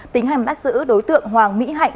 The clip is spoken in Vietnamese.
tính hành bác sứ đối tượng hoàng mỹ hạnh